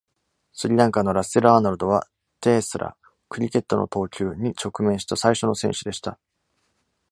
スリランカのラッセル・アーノルドは、「teesra（ クリケットの投球）」に直面した最初の選手でした。